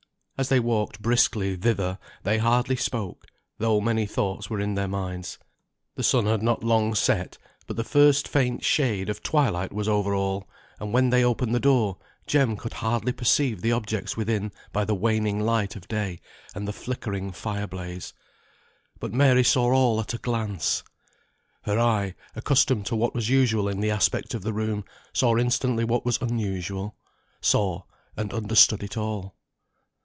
As they walked briskly thither they hardly spoke; though many thoughts were in their minds. The sun had not long set, but the first faint shade of twilight was over all; and when they opened the door, Jem could hardly perceive the objects within by the waning light of day, and the flickering fire blaze. But Mary saw all at a glance! Her eye, accustomed to what was usual in the aspect of the room, saw instantly what was unusual, saw, and understood it all.